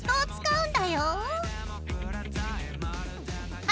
うん。